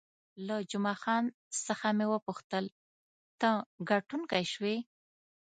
له جمعه خان څخه مې وپوښتل، ته ګټونکی شوې؟